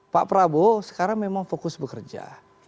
pak prabowo sekarang memang fokus bekerja